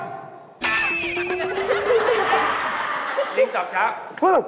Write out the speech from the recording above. มาทางนี้